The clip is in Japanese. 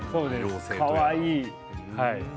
かわいい。